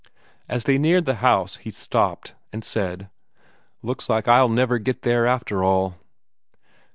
As they neared the house, he stopped, and said: "Looks like I'll never get there, after all."